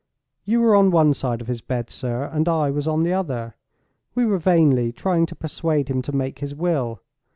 "You were on one side of his bed, sir, and I was on the other. We were vainly trying to persuade him to make his will.